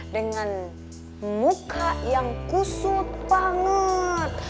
dengan muka yang kusut banget